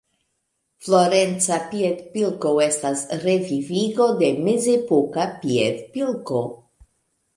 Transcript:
Florenca piedpilko estas revivigo de mezepoka piedpilko.